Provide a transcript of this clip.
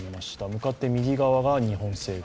向かって右側が日本政府。